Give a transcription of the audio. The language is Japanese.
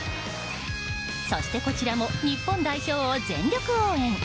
そしてこちらも日本代表を全力応援。